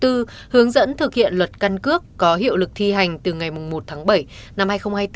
hướng dẫn thực hiện luật căn cước có hiệu lực thi hành từ ngày một tháng bảy năm hai nghìn hai mươi bốn